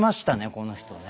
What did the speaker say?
この人ね。